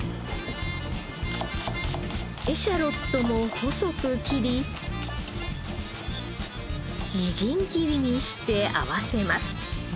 エシャロットも細く切りみじん切りにして合わせます。